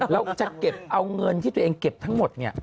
แล้วจะเอาเงินที่ตัวเองเก็บทั้งหมด